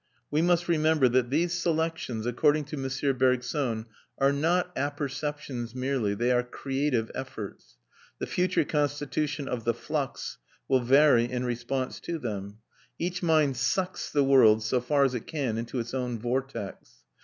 We must remember that these selections, according to M. Bergson, are not apperceptions merely. They are creative efforts. The future constitution of the flux will vary in response to them. Each mind sucks the world, so far as it can, into its own vortex.